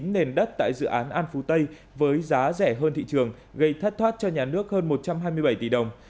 một trăm bốn mươi chín nền đất tại dự án an phú tây với giá rẻ hơn thị trường gây thất thoát cho nhà nước hơn một trăm hai mươi bảy tỷ đồng